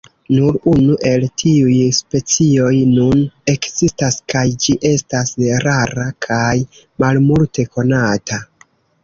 Nur unu el tiuj specioj nun ekzistas, kaj ĝi estas rara kaj malmulte konata.